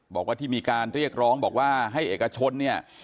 บอกว่าที่มีการเรียกร้องบอกว่าให้เอกชนเนี่ย